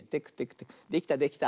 できたできた。